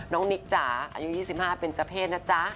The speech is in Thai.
นิกจ๋าอายุ๒๕เป็นเจ้าเพศนะจ๊ะ